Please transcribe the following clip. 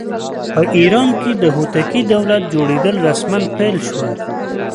په ایران کې د هوتکي دولت جوړېدل رسماً پیل شول.